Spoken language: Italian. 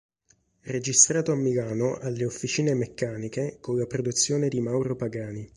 Registrato a Milano alle Officine Meccaniche con la produzione di Mauro Pagani.